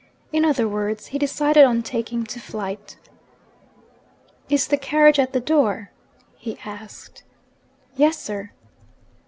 In other words, he decided on taking to flight. 'Is the carriage at the door?' he asked. 'Yes, sir.'